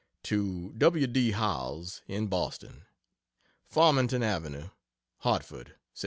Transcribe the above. To W. D. Howells, in Boston: FARMINGTON AVENUE, HARTFORD, Sept.